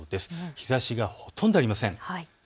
日ざしがほとんどありません。